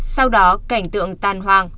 sau đó cảnh tượng tan hoang